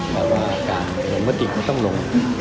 แต่ว่าการหลงประติก็ต้องหลง